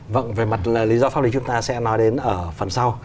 vâng về mặt lý do pháp lý chúng ta sẽ nói đến ở phần sau